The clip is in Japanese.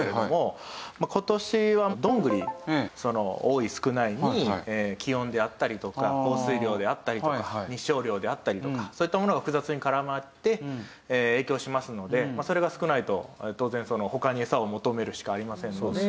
今年はどんぐり多い少ないに気温であったりとか降水量であったりとか日照量であったりとかそういったものが複雑に絡まって影響しますのでそれが少ないと当然他にエサを求めるしかありませんので。